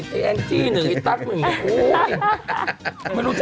จำไม่หินไออันจี้หนึ่งไอตั๊กนึกหนะ